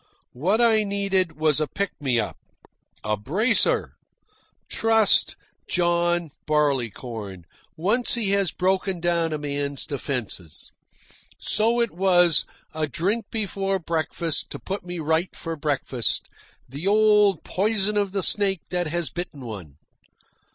What I needed was a pick me up, a bracer. Trust John Barleycorn, once he has broken down a man's defences! So it was a drink before breakfast to put me right for breakfast the old poison of the snake that has bitten one!